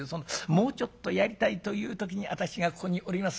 もうちょっとやりたいという時に私がここにおります